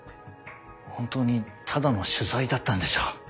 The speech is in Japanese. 本当にただの取材だったんでしょう。